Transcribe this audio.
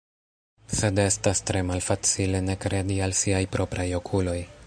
Sed estas tre malfacile ne kredi al siaj propraj okuloj.